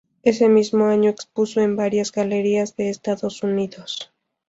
Ese mismo año expuso en varias galerías de Estados Unidos.